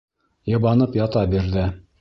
Йыбанып ята бирҙе.